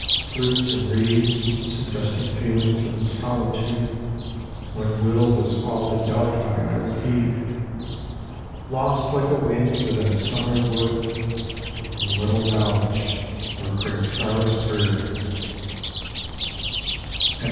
Flute and reed, Suggesting feelings of the solitude When will was all the Delphi I would heed, Lost like a wind within a summer wood From little knowledge where great sorrows brood.